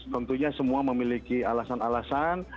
tentunya semua memiliki alasan alasan